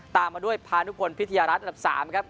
ตามมาด้วยพาทุกคนพิธีรัตน์อันดับ๓ครับ